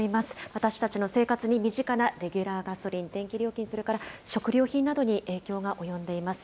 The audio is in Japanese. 私たちの生活に身近なレギュラーガソリン、電気料金、それから食料品などに影響が及んでいます。